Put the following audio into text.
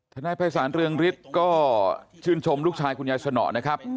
นายภัยศาลเรืองฤทธิ์ก็ชื่นชมลูกชายคุณยายสนอนะครับ